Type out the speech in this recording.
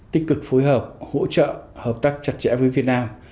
tích cực phối hợp hỗ trợ hợp tác chặt chẽ với việt nam